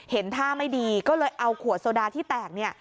เห็นท่าไม่ดีก็เลยเอาขวดโซดาที่แตกเนี่ย